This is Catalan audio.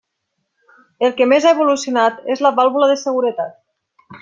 El que més ha evolucionat és la vàlvula de seguretat.